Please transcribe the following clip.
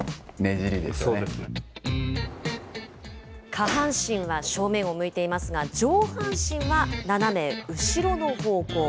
下半身は正面を向いていますが、上半身は斜め後ろの方向。